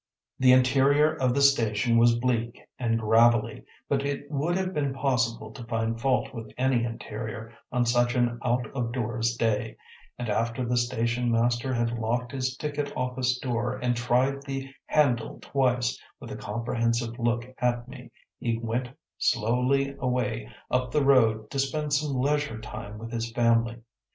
The interior of the station was bleak and gravelly, but it would have been possible to find fault with any interior on such an out of doors day; and after the station master had locked his ticket office door and tried the handle twice, with a comprehensive look at me, he went slowly away up the road to spend some leisure time with his family.